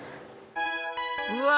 うわ！